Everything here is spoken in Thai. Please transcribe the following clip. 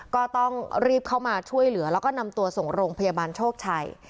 ก็ต้องรีบเข้ามาช่วยเหลือแล้วก็นำตัวส่งโรงพยาบาลโชคชัย